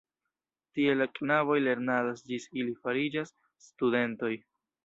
Tie la knaboj lernadas ĝis ili fariĝas studentoj.